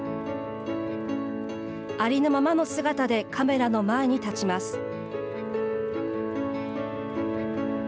ありのままの姿でカメラの前に立ちます。